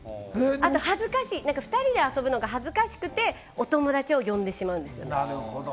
２人で遊ぶのが恥ずかしくてお友達を呼んじゃうんです。